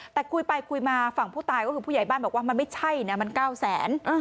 แต่คุยไปคุยมาฝั่งผู้ตายก็คือผู้ใหญ่บ้านบอกว่ามันไม่ใช่นะมัน๙แสน